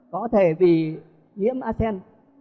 có thể vì nhiễm aten